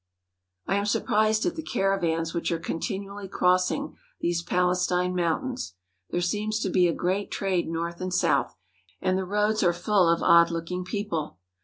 I am surprised at the caravans which are continually crossing these Palestine mountains. There seems to be a great trade north and south, and the roads are full of odd looking people.